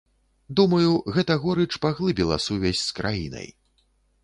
Думаю, гэта горыч паглыбіла сувязь з краінай.